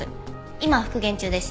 今復元中です。